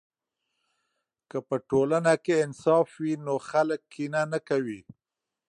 که په ټولنه کې انصاف وي نو خلک کینه نه کوي.